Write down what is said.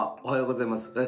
おはようございます。